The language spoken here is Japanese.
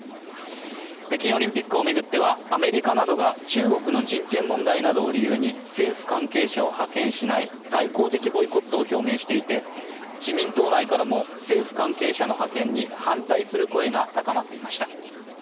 北京オリンピックを巡っては、アメリカなどが中国の人権問題などを理由に政府関係者を派遣しない外交的ボイコットを表明していて、自民党内からも政府関係者の派遣に反対する声が高まっていました。